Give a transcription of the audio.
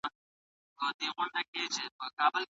په سنت طريقه جماع کولو سره د شيطان له ضرره ژغورل کيږي.